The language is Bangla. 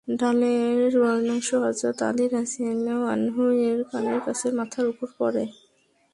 ঢালের ভগ্নাংশ হযরত আলী রাযিয়াল্লাহু আনহু-এর কানের কাছে মাথার উপর পড়ে।